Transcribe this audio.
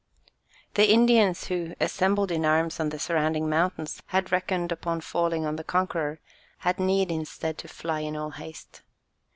The Indians who, assembled in arms on the surrounding mountains, had reckoned upon falling on the conqueror, had need instead to fly in all haste.